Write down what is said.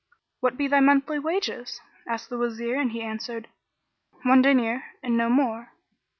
"What be thy monthly wages?" asked the Wazir and he answered, "One diner and no more."